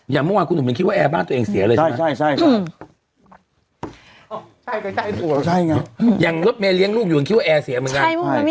อย่างเมื่อวานคุณหนุ่มมันคิดว่าแอร์บ้านตัวเองเสียเลยใช่ไหม